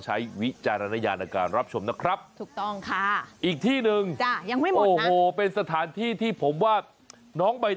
อาวุทธ์คืออะไร